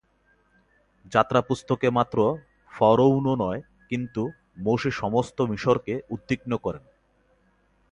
যাত্রাপুস্তকে মাত্র ফরৌণ নয় কিন্তু মোশি সমস্ত মিশরকে উদ্বিগ্ন করেন।